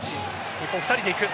日本、２人でいく。